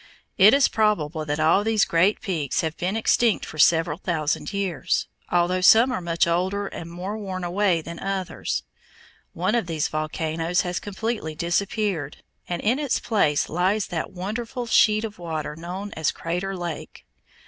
It is probable that all these great peaks have been extinct for several thousand years, although some are much older and more worn away than others. One of these volcanoes has completely disappeared, and in its place lies that wonderful sheet of water known as Crater Lake.